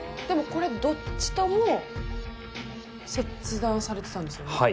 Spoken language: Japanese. でもこれどっちとも切断されてたんですよね？